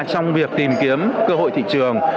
trong việc tìm kiếm cơ hội thị trường